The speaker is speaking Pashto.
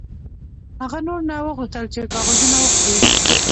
هغه نور نه غوښتل چې کاغذونه وخوري